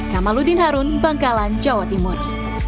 kamaludin harun bangkalan jawa timur